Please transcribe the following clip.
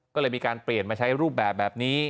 ก็เลยมีการเปลี่ยนมาใช้รูปแบบนี้